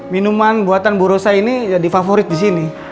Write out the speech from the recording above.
minuman buatan bu rosa ini jadi favorit di sini